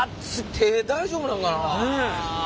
手大丈夫なんかな。